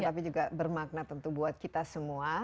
tapi juga bermakna tentu buat kita semua